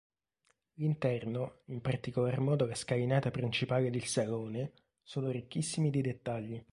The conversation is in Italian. L'interno, in particolar modo la scalinata principale ed il salone, sono ricchissimi di dettagli.